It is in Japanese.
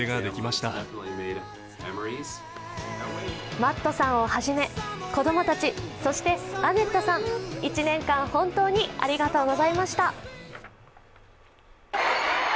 マットさんをはじめ子供たち、そしてアネットさん、１年間本当にありがとうございました。